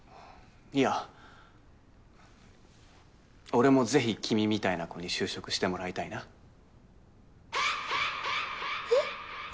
いや俺もぜひ君みたいな子に就職してもらいたいなえっ？